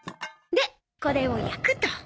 でこれを焼くと。